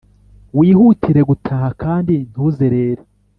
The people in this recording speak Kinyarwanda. wihutire gutaha, kandi ntuzerere.